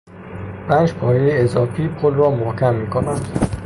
پنج پایهی اضافی پل را محکم میکنند.